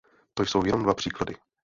To jsou jenom dva příklady.